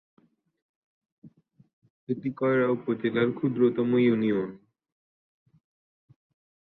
এটি কয়রা উপজেলার ক্ষুদ্রতম ইউনিয়ন।